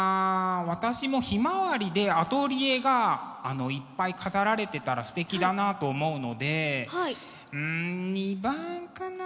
私も「ヒマワリ」でアトリエがいっぱい飾られてたらすてきだなと思うのでうん２番かな。